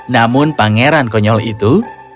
namun pangeran konyol itu